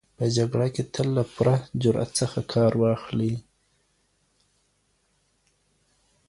په جګړه کي تل له پوره جرئت څخه کار واخلئ.